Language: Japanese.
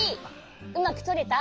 うまくとれた？